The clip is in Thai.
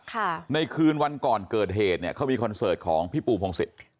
ในคืนวันก่อนเกิดเหตุเนี่ยเขามีคอนเสิร์ตของพี่ปูพงศิษย์